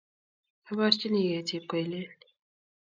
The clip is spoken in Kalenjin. Abarchinigei Chepkoilel.